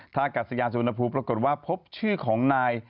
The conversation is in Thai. ถ้ากัสยานสุวรรณภูมิปรากฏว่าพบชื่อของนาย